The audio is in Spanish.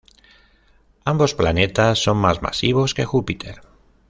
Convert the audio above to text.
Ambos planetas son más masivos que Júpiter.